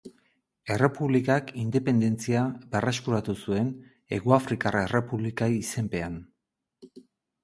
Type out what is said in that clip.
Errepublikak independentzia berreskuratu zuen Hegoafrikar Errepublika izenpean.